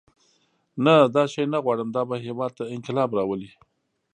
نه دا شی نه غواړم دا به هېواد ته انقلاب راولي.